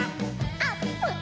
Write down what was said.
あっ。